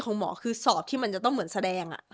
ของหมอคือสอบที่มันจะต้องเหมือนแสดง